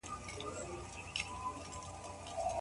همدا علت دی چې اثرونه توپیر لري.